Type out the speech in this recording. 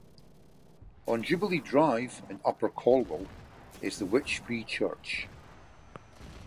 On Jubilee Drive in Upper Colwall is the 'Wyche Free Church'.